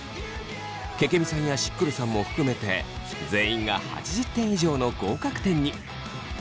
けけみさんやしっくるさんも含めて全員が８０点以上の合格点に。